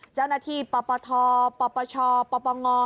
เจ้าหน้าที่ปปธปปชปปง